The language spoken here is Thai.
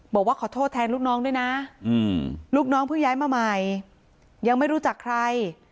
บอกว่าขอโทษแทนลูกน้องด้วยนะลูกน้องเพิ่งย้ายมาใหม่ยังไม่รู้จักใคร